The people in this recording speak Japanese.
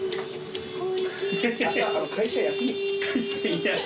会社休み。